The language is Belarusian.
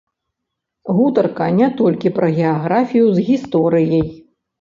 Гутарка не толькі пра геаграфію з гісторыяй.